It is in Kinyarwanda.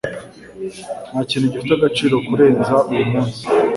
Ntakintu gifite agaciro kurenza uyumunsi.